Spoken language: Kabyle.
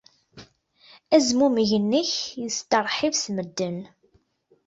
Azmumeg-nnek yesteṛḥib s medden.